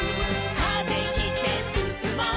「風切ってすすもう」